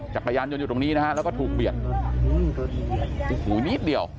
จักรยานยนต์อยู่ตรงนี้นะฮะแล้วก็ถูกเบียดโอ้โหนิดเดียว